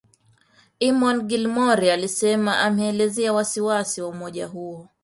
Eamon Gilmore alisema ameelezea wasi-wasi wa umoja huo